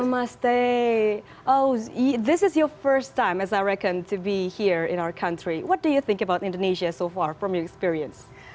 namaste ini adalah pertama kali anda berada di negara kita bagaimana pendapat anda tentang indonesia sejauh ini dari pengalaman anda